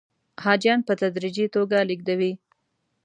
حاجیان په تدریجي توګه لېږدوي.